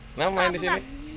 kenapa main di sini